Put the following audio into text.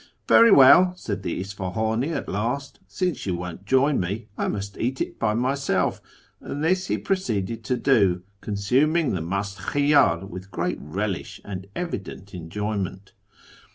' Very well,' said the Isfahiini at last, ' since you won't join me, I must eat it by myself,' and this he proceeded to do, consuming the mdst lxhiyar with great relish and evident enjoyment.